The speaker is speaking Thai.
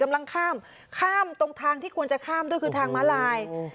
ข้ามข้ามตรงทางที่ควรจะข้ามด้วยคือทางม้าลาย